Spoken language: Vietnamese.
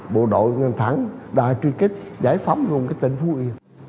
bộ đội ngân thắng đã truy kích giải phóng luôn cái tỉnh phú yên